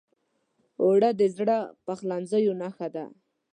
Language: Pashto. اوړه د زړو پخلنځیو نښه ده